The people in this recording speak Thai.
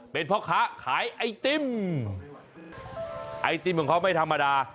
เป็นพ่อค้าขายไอติมไอติมของเขาไม่ธรรมดา